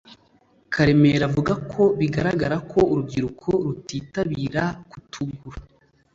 Karemera avuga ko bigaragara ko urubyiruko rutitabira kutugura